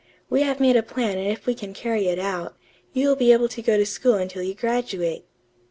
We have made a plan and if we can carry it out, you will be able to go to school until you graduate."